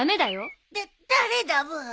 だ誰だブー。